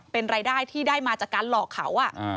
เป็นรายได้ที่ได้มาจากการหลอกเขา